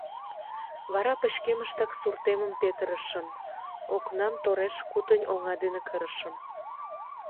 Вара пычкемыштак суртемым петырышым, окнам тореш-кутынь оҥа дене кырышым.